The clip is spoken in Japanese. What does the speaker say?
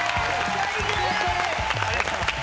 ありがとうございます。